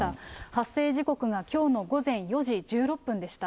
発生時刻がきょうの午前４時１６分でした。